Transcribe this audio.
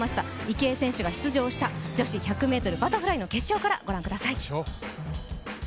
池江選手が出場した女子１００ｍバタフライの決勝からご覧ください。